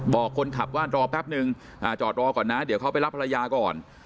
บอกคนขับว่ารอแป๊บนึงจอดรอก่อนนะเดี๋ยวเขาไปรับภรรยาก่อน